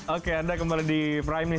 oke anda kembali di prime news